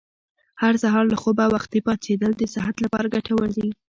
هر سهار له خوبه وختي پاڅېدل د صحت لپاره ګټور دي.